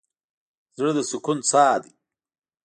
زړه د سکون څاه ده.